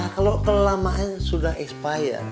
kalau terlambatnya sudah berakhir